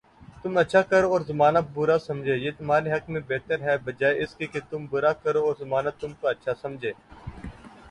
تم اچھا کرو اور زمانہ برا سمجھے، یہ تمہارے حق میں بہتر ہے بجائے اس کے تم برا کرو اور زمانہ تم کو اچھا سمجھے